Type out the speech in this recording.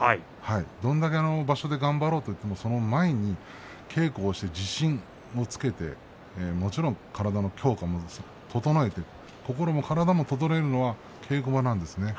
どれだけ場所で頑張ろうと思っても、その前で稽古をして、自信をつけてもちろん体の強化も整えて心も体も整えるのが稽古場なんですね。